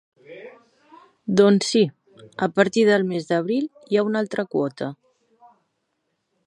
Doncs sí, a partir del mes d'abril hi ha una altra quota.